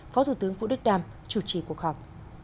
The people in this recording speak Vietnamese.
phó thủ tướng vũ đức đam chủ trì cuộc họp